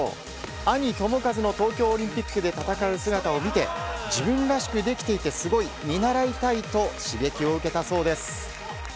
兄・智和の東京オリンピックで戦う姿を見て自分らしくできていてすごい見習いたいと刺激を受けたそうです。